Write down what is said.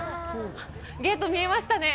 ゲート見えましたね。